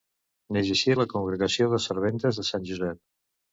Neix així la Congregació de Serventes de Sant Josep.